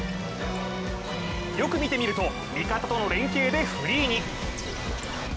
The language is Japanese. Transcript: よく見てみると、味方との連携でフリーに。